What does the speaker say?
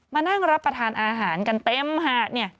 มานั่งรับประทานอาหารกันเต็มหาด